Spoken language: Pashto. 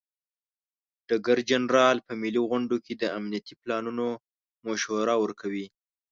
ډګر جنرال په ملي غونډو کې د امنیتي پلانونو مشوره ورکوي.